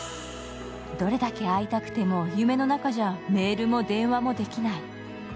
どれだけ会いたくても、夢の中じゃメールも電話もできない。